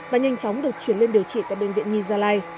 và nhanh chóng được chuyển lên điều trị tại bệnh viện nhi gia lai